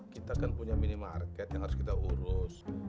kita kan punya minimarket yang harus kita urus